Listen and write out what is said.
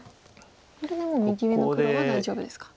これでもう右上の黒は大丈夫ですか。